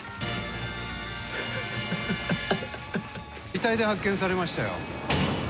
遺体で発見されましたよ。